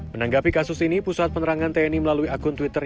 menanggapi kasus ini pusat penerangan tni melalui akun twitter